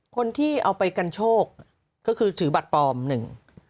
คนที่เอาไปกันโชคก็คือถือบัตรปลอมหนึ่ง